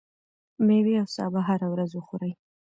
ميوې او سابه هره ورځ وخورئ.